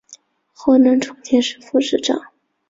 后任重庆市副市长。